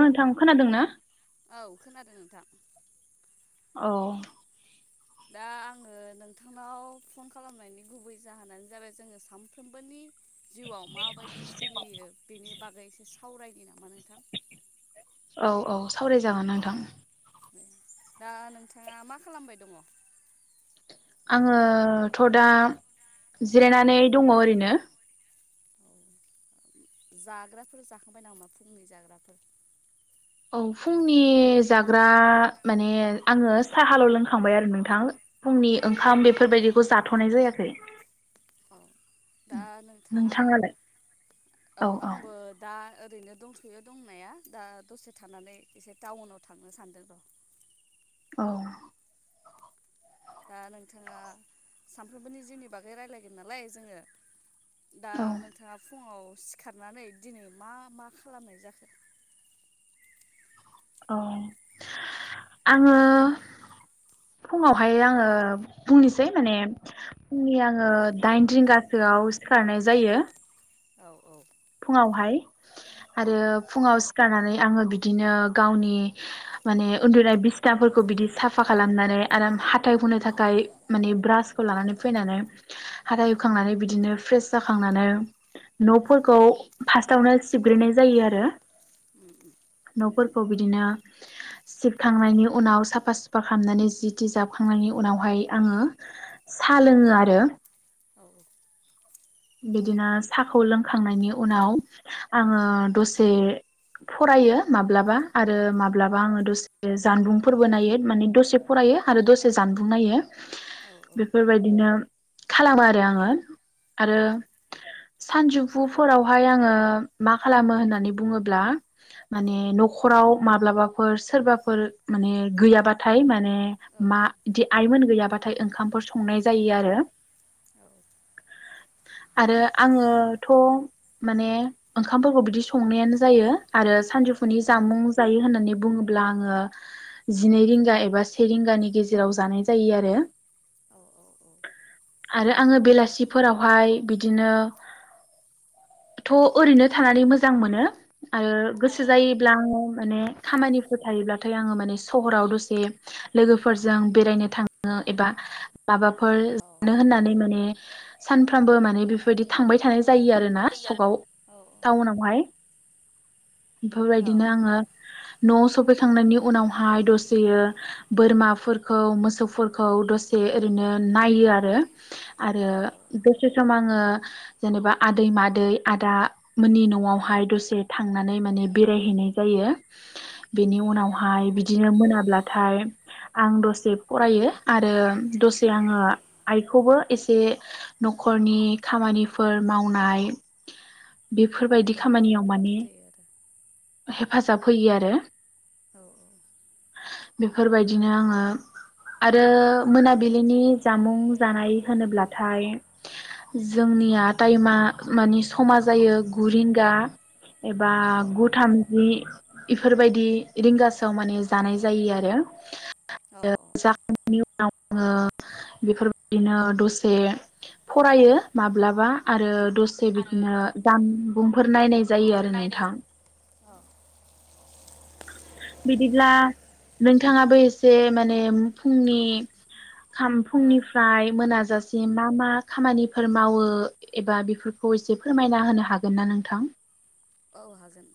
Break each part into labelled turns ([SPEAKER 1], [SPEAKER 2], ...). [SPEAKER 1] नोंथां खोनादों ना
[SPEAKER 2] औ खोनादों नोंथां
[SPEAKER 1] औ
[SPEAKER 2] दा आङो नोंथांनाव फन खालामनायनि गुबै जाहोनानो जाबाय जोङो सानफ्रोमबोनि जिउआव माबायदि सोलियो बेनि बागै एसे सो सावरायनि नामा नोंथां
[SPEAKER 1] औ औ सावरायजागोन नोंथां
[SPEAKER 2] दा नोंथाङा मा खालामबाय दङ
[SPEAKER 1] आङोथ' दा जिरायनानै दङ ओरैनो
[SPEAKER 2] जाग्राफोर जाखांबाय नामा फुंनि जाग्राफोर
[SPEAKER 1] औ फुंनि जाग्रा माने आङो साहाल' लोंखांबाय आरो नोंथां फुंनि ओंखाम बेफोरबायदिखौ जाथ'नाय जायाखै
[SPEAKER 2] औ दा नोंथाङा
[SPEAKER 1] नोंथाङालाय
[SPEAKER 2] औ आंबो दा ओ रैनो दंथ'यो दंनाया दा दसे थानानै एसे टाउनाव थांनो सानदों र'
[SPEAKER 1] औ
[SPEAKER 2] दा नोंथाङा सानफ्रोमबोनि जिउनि बागै रायलायगोन नालाय जोङो दा
[SPEAKER 1] औ
[SPEAKER 2] नोंथाङा फुङाव सिखारनानै दिनै मा मा खालामनाय जाखो
[SPEAKER 1] औ आङो फुङावहाय आङो बुंनोसै माने फुंनि आङो दाइन रिंगासोआव सिखारनाय जायो
[SPEAKER 2] औ औ
[SPEAKER 1] फुङावहाय आरो
[SPEAKER 2] उम
[SPEAKER 1] फुङाव सिखारनानै आङो बिदिनो गावनि माने उन्दुनाय बिसनाफोरखौ बिदि साफा खालामनानै आरो हाथाइ हुनो थाखाय माने
[SPEAKER 2] औ
[SPEAKER 1] ब्रासखौ लानानै फैनानै हाथाय हुखांनानै बिदिनो फ्रेस जाखांनानै न'फोर
[SPEAKER 2] औ
[SPEAKER 1] खौ फास्टावनो सिबग्रोनाय जायो आरो
[SPEAKER 2] उम उम
[SPEAKER 1] न'फोरखौ बिदिनो सिबखांनायनि उनाव साफा सुफा खालामनानै जि थि जाबखांनायनि उनावहाय आङो साहा लोङो आरो
[SPEAKER 2] औ औ
[SPEAKER 1] बिदिनो साखौ लोंखांनायनि उनाव आङो दसे फरायो मा ब्लाबा
[SPEAKER 2] औ
[SPEAKER 1] आरो माब्लाबा आङो दसे जानबुं फोरबो नायो माने दसे फरायो आरो दसे जानबुं नायो
[SPEAKER 2] औ
[SPEAKER 1] बेफोर बायदिनो खालामो आरो आङो आरो सानजौफुफोरावहाय आङो मा खालामो होननानै बुङोब्ला
[SPEAKER 2] औ
[SPEAKER 1] माने
[SPEAKER 2] उम
[SPEAKER 1] न'खराव माब्लाबाफोर सोरबाफोर माने गैयाबाथाय माने
[SPEAKER 2] औ
[SPEAKER 1] मा [unintelligible] आइमोन गैयाबाथाय ओंखामफोर संनाय जायो आरो आरो आङोथ' माने ओंखामफोरखौ बिदि संनायानो जायो आरो सानजौफुनि
[SPEAKER 2] औ
[SPEAKER 1] जामुं जायो होननानै बुङोब्ला आङो जिनै रिंगा एबा से रिंगानि गेजेराव जानाय जायो आरो
[SPEAKER 2] औ
[SPEAKER 1] आरो आङो बेलासिफोराव फाय बिदिनो थ' ओरैनो थानानै मोजां मोनो आरो गोसो
[SPEAKER 2] औ
[SPEAKER 1] जायोब्ला आङो माने खामानिफोर थायोब्लाथाय आंङो माने सोहोराव दसे लोगोफोरजों बेरायनो थाङो एबा माबा फोर
[SPEAKER 2] औ
[SPEAKER 1] जानो होननानै माने सानफ्रामबो माने बेफोर बायदि थांबाय थानाय जायो आरोना सकआव टाउनावहाय बेफोरबायदिनो आङो न'आव सफैखांनायनि उनावहाय दसेयो बोरमाफोरखौ मोसौफोरखौ दसे ओरैनो नायो आरो
[SPEAKER 2] औ
[SPEAKER 1] आरो दसे सम आङो जेनेबा आदै मादै आदा मोननि न'आवहाय दसे थांनानै माने बेरायहैनाय जायो बेनि
[SPEAKER 2] उम
[SPEAKER 1] उनावहाय बिदिनो मोना ब्लाथाय आं दसे फरायो आरो दसे आङो आइखौबो एसे न'खरनि खामानिफोर मावनाय बेफोर
[SPEAKER 2] मावनाय
[SPEAKER 1] बायदि
[SPEAKER 2] दांनायफोराव
[SPEAKER 1] खामानियाव माने
[SPEAKER 2] मदद
[SPEAKER 1] हेफाजाब होयो आरो
[SPEAKER 2] औ औ
[SPEAKER 1] बेफोरबायदिनो आङो आरो मोनाबिलिनि जामुं जानाय होनोब्लाथाय जोंनिया टाइमा मानिे समा जायो गुरिंगा एबा
[SPEAKER 2] आरो औ
[SPEAKER 1] गु थामजि इफोरबायदि रिंगासोआव मान जानाय जायो आरो
[SPEAKER 2] औ औ
[SPEAKER 1] [unintelligible] आङो बेफोरबायदिनो दसे फरायो माब्लाबा आरो
[SPEAKER 2] उम
[SPEAKER 1] दसे
[SPEAKER 2] आरो
[SPEAKER 1] बिदिनो जामुं गुबफोर नायनाय जायो
[SPEAKER 2] फोर
[SPEAKER 1] आरो
[SPEAKER 2] नायनाय
[SPEAKER 1] नोंथां
[SPEAKER 2] औ
[SPEAKER 1] बिदिब्ला नोंथाङाबो एसे माने फुंनि खाम फुंनिफ्राय मोनाजासि एसे मा मा खामानिफोर मावो एबा बेफोरखौ एसे फोरमायना होनो हागोन ना नोंथां
[SPEAKER 2] औ हागोन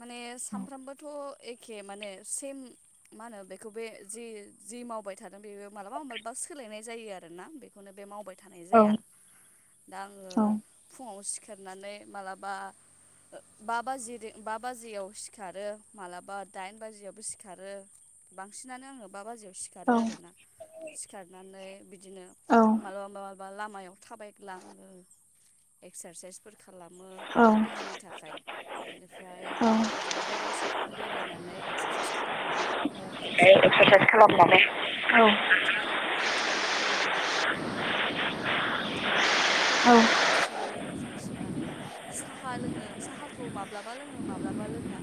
[SPEAKER 2] माने सानफ्रोमबोथ' एखे माने सेम मा होनो बेखौ बे जि जि मावबाय थादों बेबो मालाबा मालाबा सोलायनाय जायो आरोना बेखौनो बे मावबाय थानाय
[SPEAKER 1] औ
[SPEAKER 2] जाया दा आङो
[SPEAKER 1] औ
[SPEAKER 2] फुङाव सि खेरनानै मालाबा बा बाज बा बाजियाव सिखारो मालाबा दाइन बाजियावबो सिखारो बांसिनानो आङो बा बाजियाव सिखारो आर ना सिखारनानै बिदिनो
[SPEAKER 1] औ
[SPEAKER 2] मालाबा लामायाव थाबायग्लां [unintelligible] खालामो
[SPEAKER 1] औ
[SPEAKER 2] देहानि थाखाय बेनिफ्राय
[SPEAKER 1] औ
[SPEAKER 2] बिदिनो बेराय बेरायनानै एक्सारसाइस खालामनानै न'आव फैफिननानै
[SPEAKER 1] एक्सारसाइस खालामनानै औ
[SPEAKER 2] हाथाइ हाथाइ हुयो हााइ हुनानै
[SPEAKER 1] औ
[SPEAKER 2] मोखां सुयो मोखां सुनानै सा साहा लोङो साहाखौ माब्लाबा लोङो माब्लाबा लोङा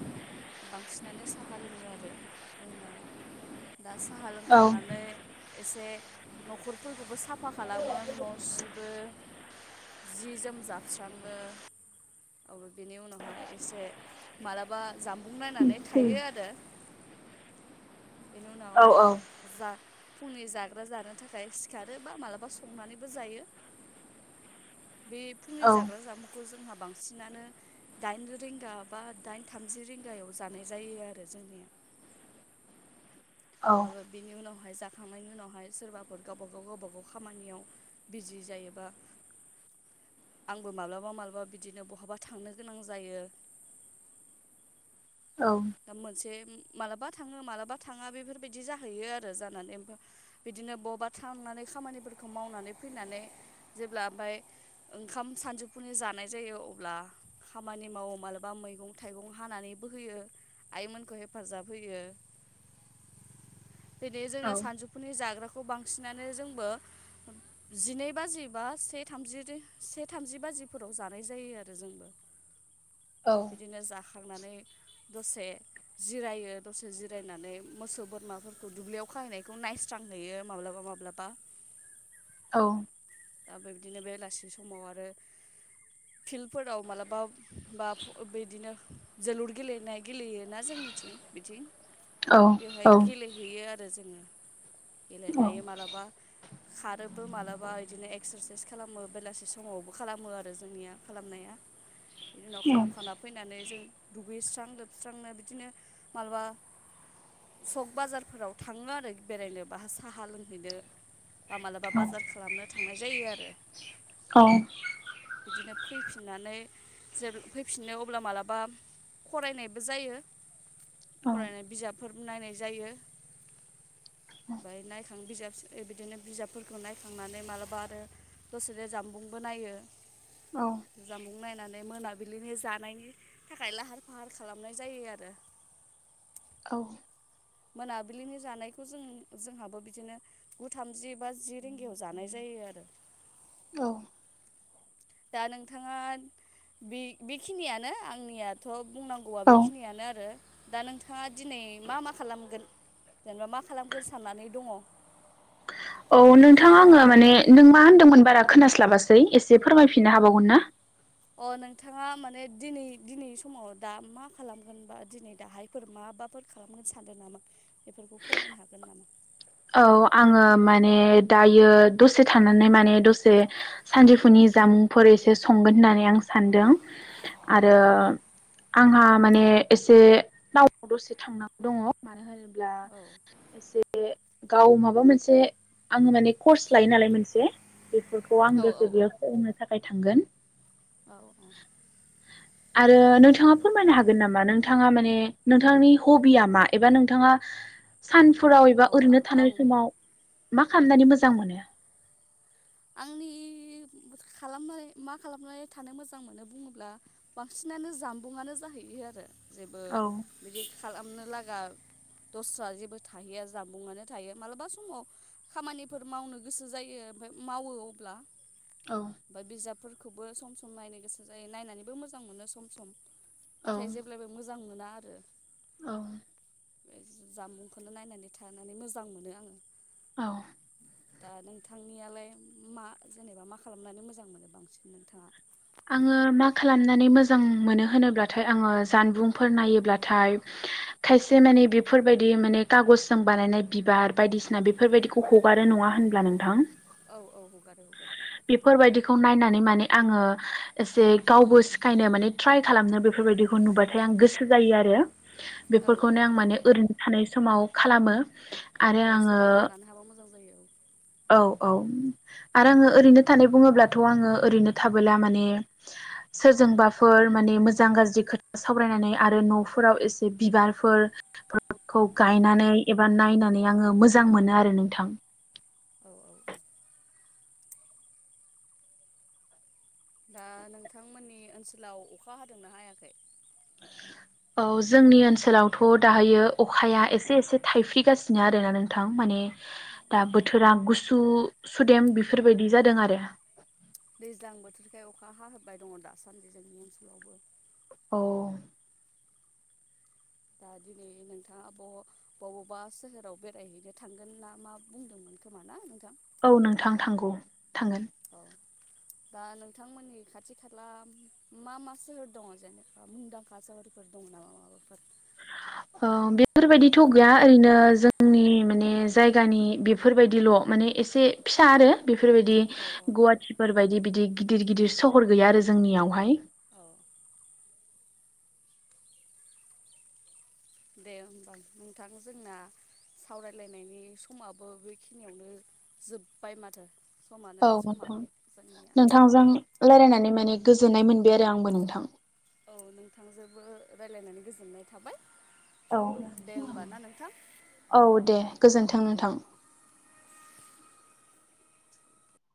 [SPEAKER 2] बांसिनानो साहा लोङो आरो लोंनाया दा साहा
[SPEAKER 1] औ
[SPEAKER 2] लोंखांनानै एसे न'खरफोरखौबो साफ साफा खालामो न' सिबो जि जोम जाबस्राङो बेनि उनावहाय एसे मालाबा जाम बुं नायनानै थायो आरो बेनि
[SPEAKER 1] औ
[SPEAKER 2] उनाव जा फुंनि जाग्रा जानो थाखाय सिखारो बा मालाबा संनानैबो जायो बे फुंनि
[SPEAKER 1] औ
[SPEAKER 2] जाग्रा जामुंखौ जों हाबां बांसिनानो दाइन रिंगा बा दाइन थामजि रिंगायाव जानाय जायो आरो जोंनिया
[SPEAKER 1] औ
[SPEAKER 2] आबा बिनि उनाव जाखांनायनि उनाव सोरबाफोर गावबा गाव खामानि मावो बिजि जायोबा आंबो माब्लाबा माब्लाबा बिदिनो बहाबा थांनो गोनां जायो
[SPEAKER 1] औ
[SPEAKER 2] दा मोनसे मालाबा थाङो मालाबा थाङा बेफोरबायदि जाहैयो आरो जानानै ओमफ्राय बिदिनो बबेबा थांनानै खामानिफोरखौ मावनानै फैनानै जेब्ला ओमफाय ओंखाम सानजौफुनि जानाय जायो अब्ला खामानि मावो मालाबा मैगं थाइगं हानानै बोहैयो आइमोनखौ हेफाजाब होयो दिनै जोङो सानजौफुनि जाग्राखौ खौ बांसिनानो जोंबो जिनै बाजि बा से थामजि से थामजि बाजिफोराव जानाय जायो आरो जोंबो बिदिनो जाखांनानै दसे जिरायो दसे जिरायनानै मोसौ बोरमाफोरखौ दुब्लियाव खाहैनायखौ नायस्रांहैयो माब्लाबा माब्लाबा
[SPEAKER 1] औ
[SPEAKER 2] दा बेबायदिनो बेलासि समाव आरो फिल्डफोराव मालाबा बा बिदिनो जोलुर गेलेनाय गेलेयोना जोंनिथिं बिथिं बेवहाय गेलेहैयो आरो जोङो नायो मलाबा खारोबो मालाबा बिदिनो एक्सारसाइस खालामो बेलासि समावबो खालामो आरो जोंनिया खालामनाया बिदि उनाव खालामखांना फैनानै जों दुगैस्रां लोबस्रांनो बिदिनो माबलाबा सक बाजारफोराव थाङो आरो बेरायनो बाह साहा लोंहैनो बा मालाबा बाजार खालामनो थांनाय जायो आरो बिदिनो फैफिननानै जे फैफिननो अब्ला मालाबा फरायनायबो जायो फरायनाय बिजाब फोर नायनाय जायो ओमफ्राय नायखां बिजाब बिदिनो बिजाबफोरखौ नायखांनानै मा बा आरो दसेनो जामबुंबो नायो
[SPEAKER 1] औ
[SPEAKER 2] जामबुं नायनानै मोनाबिलिनि जानायनि थाखाय लाहार फाहार खालामनाय जायो आरो
[SPEAKER 1] औ
[SPEAKER 2] मोनाबिलिनि जानायखौ जों जोंहाबो बिदिनो गु थामजि बा जि रिंगायाव जानाय जायो आरो
[SPEAKER 1] औ
[SPEAKER 2] दा नोंथाङा बे बेखिनियानो आंनियाथ' बुंनांगौआ बेखिनियानो आरो दा नोंथां नोंथाङा दिनै मा मा खालामगोन जेनेबा मा खालामग्रो साननानै दङ
[SPEAKER 1] औ नोंथाङा आङो माने नों मा होनदोंमोन बारा खोनास्लाबासै एसे फोरमायफिननो हाबावगोन ना
[SPEAKER 2] अ नोंथाङा माने दिनै दिनै समाव दा मा खालामगोन बा दिनै दाहायफोर माबाफोर खालामगोन सानदों नामा बेफोरखौ फोरमायनो हागोन नामा
[SPEAKER 1] औ आङो माने दायो दसे थानानै माने दसे सानजौफुनि जामुंफोर एसे संगोन होननानै आं सानदों
[SPEAKER 2] औ
[SPEAKER 1] आरो
[SPEAKER 2] औ
[SPEAKER 1] आंहा माने एसे नावआव दसे थांनांगौ दङ मानो ब्ला
[SPEAKER 2] औ
[SPEAKER 1] एसे गाव माबा मोनसे आङो माने कर्स लायो नालाय मोनसे बेफोरखौ
[SPEAKER 2] औ
[SPEAKER 1] आं
[SPEAKER 2] औ
[SPEAKER 1] गोसो
[SPEAKER 2] औ
[SPEAKER 1] बेयाव सोलोंनो थाखाय बाय थांगोन
[SPEAKER 2] औ औ
[SPEAKER 1] आरो नोंथाङा फोरमायनो हागोन नामा नोंथाङा माने नोंथांनि हबिया मा एबा नोंथाङा सानफोराव
[SPEAKER 2] औ
[SPEAKER 1] एबा
[SPEAKER 2] आं
[SPEAKER 1] ओरैनो माने
[SPEAKER 2] आं
[SPEAKER 1] [unintelligible] मा खालामनानै मोजां मोनो
[SPEAKER 2] आंनि खालामनाय मा खालामनानै थानो मोजां मोनो बुङोब्ला बांसिनानो जामबुंआनो जाहैयो आरो जेबो
[SPEAKER 1] औ
[SPEAKER 2] बिदि खालामनो लागा दस्रा जेबो थाहैया जानबुंआनो थायो मालाबा समाव खामानिफोर मावनो गोसो जायो ओमफाय मावो अब्ला
[SPEAKER 1] औ
[SPEAKER 2] बा बिजाबफोर खौबो सम सम नायनो गोसो जायो नायनानैबो मोजां मोनो सम सम नाथाय जेब्लबो मोजां मोनो मोना आरो
[SPEAKER 1] औ
[SPEAKER 2] बे जामुंखौनो नायनानै थानानै मोजां मोनो आङो
[SPEAKER 1] औ
[SPEAKER 2] दा नोंथांनियालाय मा जेनेबा मा खालामनानै मोजां मोनो बांसिन नोंथाङा
[SPEAKER 1] आङो मा खालामनानै मोजां मोनो होनोब्लाथाय आङो जानबुंफोर नायोब्लाथाय खायसे माने बेफोरबायदि माने कागजजों बानायनाय बिबार बायदिसिना बेफोरबायदिखौ हगारो नङा होनब्ला नोंथां
[SPEAKER 2] औ हगारो हगारो
[SPEAKER 1] बेफोर बायदिखौ नायनानै माने आङो एसे गावबो सिखायनो माने ट्राय खालामनो बेफोरबायदिखौ नुबाथाय आं गोसो जायो आरो
[SPEAKER 2] औ
[SPEAKER 1] बेफोरखौनो आं माने ओरैनो थानाय समाव खालामो आरो
[SPEAKER 2] औ
[SPEAKER 1] आङो
[SPEAKER 2] सोलोंना लानो हाबा मोजां जायो औ
[SPEAKER 1] औ औ आरो आङो ओरैनो थानाय बुङोब्लाथ' आङो ओरैनो थाबाय माने सोरजोंबाफोर माने मोजां गाज्रि खोथा सावरायनानै आरो न'फोराव एसे बिबारफोर खौ
[SPEAKER 2] औ
[SPEAKER 1] गायनानै एबा नायनानै नै आङो मोजां मोनो आरो नोंथां
[SPEAKER 2] औ औ औ दा नोंथांमोननि ओनसोलाव अखा हादोंना हायाखै?
[SPEAKER 1] औ जोंनि ओनसोलावथ' दाहायो अखाया एसे एसे थायफ्रिगासिनो आरोना नोंथां माने दा बोथोरा गुसु सुदेम बेफोरबायदि जादों आरो।
[SPEAKER 2] दैज्लां बोथोरखाय अखा हा होबाय दङ दासान्दि जोंनि ओनसोलावबो।
[SPEAKER 1] औ
[SPEAKER 2] दा दिनै नोंथाङा ब-बबावबा सोहोराव बेरायहैनो थांगोन ना मा बुंदोंमोन खोमा ना नोंथां?
[SPEAKER 1] औ नोंथां थांगौ थांगोन
[SPEAKER 2] औ दा नोंथांमोननि खाथि खाला मा मा सोहोर दङ जेनेबा मुंदांखा सोहोरफोर दङ नामा माबाफोर?
[SPEAKER 1] ओ बेफोरबायदिथ' गैया ओरैनो जोंनि माने जायगानि बेफोरबायदिल' माने एसे फिसा आरो। बेफोरबायदि
[SPEAKER 2] औ
[SPEAKER 1] गुवाटिफोर बायदि बिदि गिदिर गिदिर सहर गैया आरो जोंनियावहाय।
[SPEAKER 2] औ औ दे होमबा नोंथां जोंना सावरायलायनायनि समाबो बेखिनियावनो जोब्बाय माथो समानो
[SPEAKER 1] औ
[SPEAKER 2] समा
[SPEAKER 1] नोंथां
[SPEAKER 2] जोंनिया
[SPEAKER 1] नोंथांजों रायजलायनानै मानिे गोजोननाय मोनबाय आरो आंबो नोंथां।
[SPEAKER 2] औ नोंथांजोबो रायज्लायनानै गोजोननाय थाबाय।
[SPEAKER 1] औ
[SPEAKER 2] दे होमबा ना नोंथां
[SPEAKER 1] औ दे गोजोन्थों नोंथां